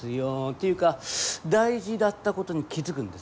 ていうか大事だったことに気付くんですね。